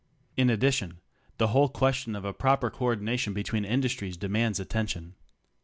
In addition the whole question of a proper co ordination between industries demands attention.